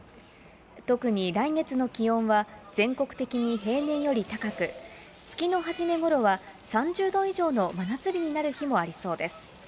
特に来月の気温は全国的に平年より高く、月の初めごろは３０度以上の真夏日になる日もありそうです。